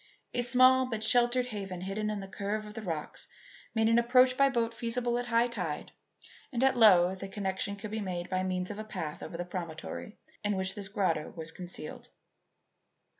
A small but sheltered haven hidden in the curve of the rocks made an approach by boat feasible at high tide; and at low the connection could be made by means of a path over the promontory in which this grotto lay concealed.